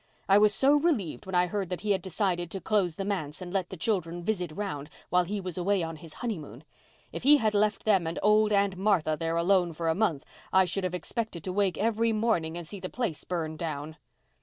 I was so relieved when I heard that he had decided to close the manse and let the children visit round while he was away on his honeymoon. If he had left them and old Aunt Martha there alone for a month I should have expected to wake every morning and see the place burned down."